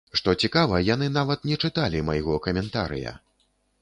Што цікава, яны нават не чыталі майго каментарыя!